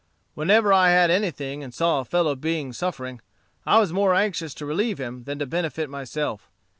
Whenever I had anything and saw a fellow being suffering, I was more anxious to relieve him than to benefit myself.